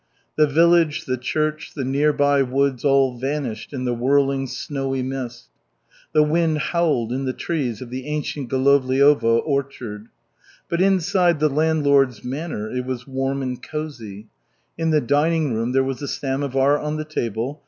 The village, the church, the nearby woods, all vanished in the whirling snowy mist. The wind howled in the trees of the ancient Golovliovo orchard. But inside the landlord's manor it was warm and cozy. In the dining room there was a samovar on the table.